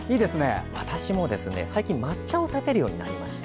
私も最近抹茶を立てるようになりまして。